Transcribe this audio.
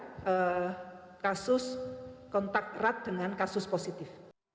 untuk mengatakan kasus kontak erat dengan kasus positif